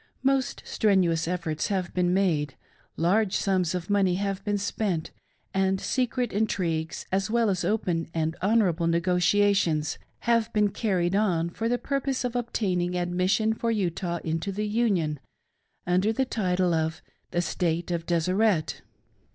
Most strenuous efforts have been made, large sums of money have been spent, and secret intrigues, as well as open and honorable negotiations, have been carried on for the purpose of obtaining admission for Utah into the Union, under the title of The State of JPeseret.